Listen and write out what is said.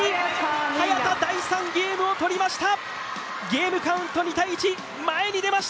早田、第３ゲームを取りました。